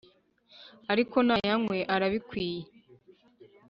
Ariko nayanywe arabikwiye